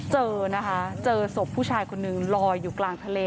เจอนะคะเจอศพผู้ชายคนนึงลอยอยู่กลางทะเล